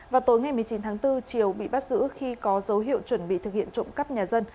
vào tối ngày một mươi chín tháng bốn triều bị bắt giữ khi có dấu hiệu chuẩn bị thực hiện trộm cắp nhà dân